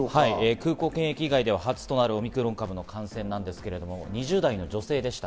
空港検疫以外では初となるオミクロン株の感染ですけれども２０代の女性でした。